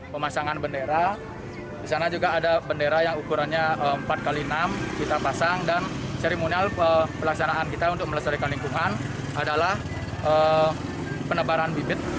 pemasangan bendera disana juga ada bendera yang ukurannya empat x enam kita pasang dan cerimonial pelaksanaan kita untuk melesatkan lingkungan adalah peneparan bibit